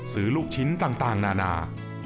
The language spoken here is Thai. ลูกชิ้นต่างนานา